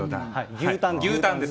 牛タンです。